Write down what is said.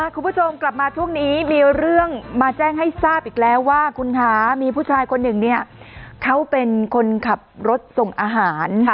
คุณผู้ชมกลับมาช่วงนี้มีเรื่องมาแจ้งให้ทราบอีกแล้วว่าคุณคะมีผู้ชายคนหนึ่งเนี่ยเขาเป็นคนขับรถส่งอาหาร